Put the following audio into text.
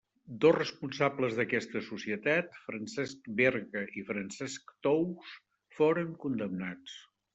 Dos responsables d'aquesta societat, Francesc Berga i Francesc Tous, foren condemnats.